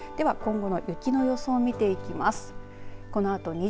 では今後の雪の予想を見ていきます。